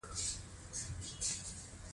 پسرلی د افغانستان د اقتصاد برخه ده.